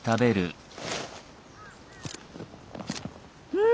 うん！